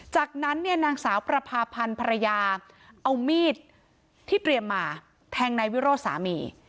จากนั้นเนี่ยนางสาวประพาพันธ์ภรรยาเอามีดที่เตรียมมาแทงนายวิโรธสามี